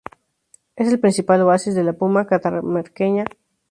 Es el principal oasis de la Puna catamarqueña.